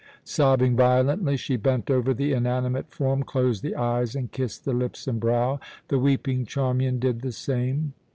Sobbing violently, she bent over the inanimate form, closed the eyes, and kissed the lips and brow. The weeping Charmian did the same.